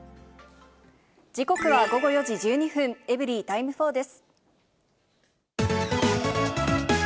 時刻は午後４時１２分、エブリィタイム４です。